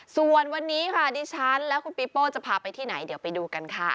ส่วนวันนี้ค่ะดิฉันและคุณปีโป้จะพาไปที่ไหนเดี๋ยวไปดูกันค่ะ